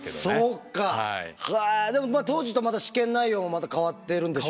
でも当時とまた試験内容も変わってるんでしょうね。